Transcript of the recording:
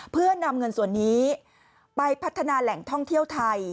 เพื่อนำเงินส่วนนี้ไปพัฒนาแหล่งท่องเที่ยวไทย